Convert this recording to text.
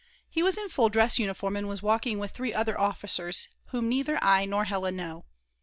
He was in full dress uniform and was walking with 3 other officers whom neither I nor Hella know.